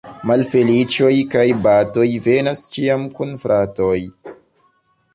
Malfeliĉoj kaj batoj venas ĉiam kun fratoj.